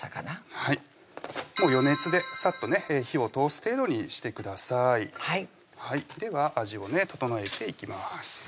はいもう余熱でサッとね火を通す程度にしてくださいでは味をね調えていきます